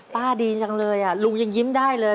ดีจังเลยลุงยังยิ้มได้เลย